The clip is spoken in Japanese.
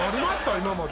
今まで。